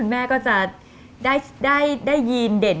แม่ก็จะได้ยินเด่น